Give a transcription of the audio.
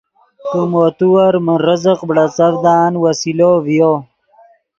کہ مو تیور من رزق بڑیڅڤدان وسیلو ڤیو